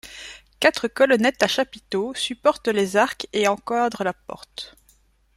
Quatre colonnettes à chapiteaux supportent les arcs et encadrent la porte.